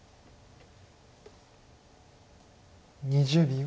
２０秒。